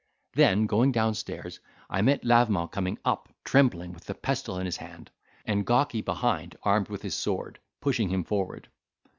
Then going down stairs, I met Lavement coming up trembling with the pestle in his hand, and Gawky behind armed with his sword, pushing him forward.